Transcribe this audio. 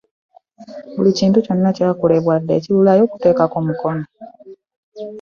Buli kintu kyonna kyakolebwako dda ekibulayo ggwe kuteekako mukono.